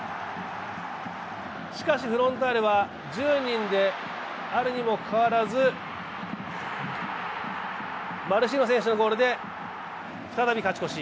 しかし、フロンターレは１０人であるにもかかわずマルシーニョ選手のゴールで再び勝ち越し。